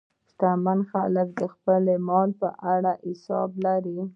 شتمن خلک د خپل مال په اړه حساب لري.